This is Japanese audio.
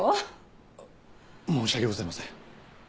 申し訳ございません。